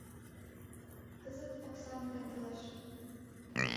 Кызыт окса мурен толеш.